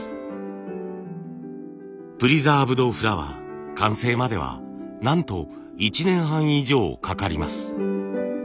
プリザーブドフラワー完成まではなんと１年半以上かかります。